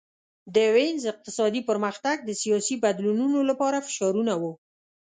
د وینز اقتصادي پرمختګ د سیاسي بدلونونو لپاره فشارونه وو